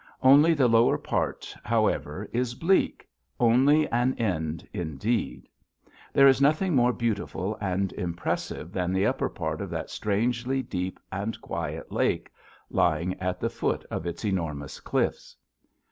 Only the lower part, however, is bleak only an end, indeed. There is nothing more beautiful and impressive than the upper part of that strangely deep and quiet lake lying at the foot of its enormous cliffs.